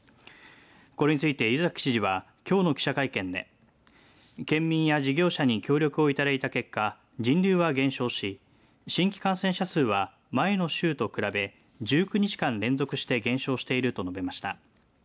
これについて湯崎知事はきょうの記者会見で県民や事業者に協力をいただいた結果、人流は減少し新規感染者数は前の週と比べ１９日間連続して減少していると述べました。